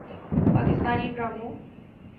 پاکستانی ڈراموں